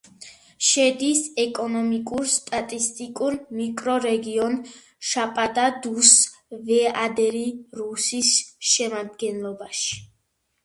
შედის ეკონომიკურ-სტატისტიკურ მიკრორეგიონ შაპადა-დუს-ვეადეირუსის შემადგენლობაში.